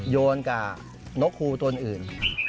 โยนกับนกฮูตัวอื่น